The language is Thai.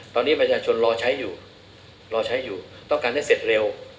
ตอนนี้ประหยัดชนรอใช้อยู่ต้องการให้เสร็จเร็ว